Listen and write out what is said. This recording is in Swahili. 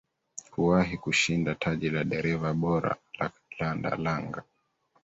kuwahi kushinda taji la dereva bora la landa langa